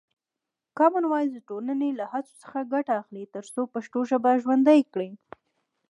کامن وایس د ټولنې له هڅو څخه ګټه اخلي ترڅو پښتو ژبه ژوندۍ کړي.